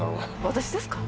私ですか？